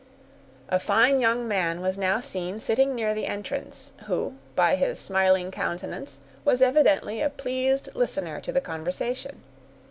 A fine young man was now seen sitting near the entrance, who, by his smiling countenance, was evidently a pleased listener to the conversation.